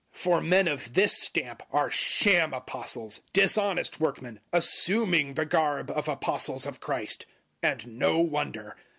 011:013 For men of this stamp are sham apostles, dishonest workmen, assuming the garb of Apostles of Christ. 011:014 And no wonder.